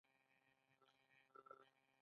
هغه د کارګرانو د ورځني کار وخت ثابت ساتي